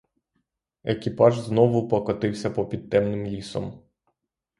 Екіпаж знову покотився попід темним лісом.